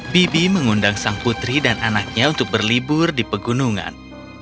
bibi mengundang sang putri dan anaknya untuk berlibur di pegunungan